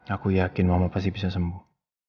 aku yakin mama pasti bisa sembuh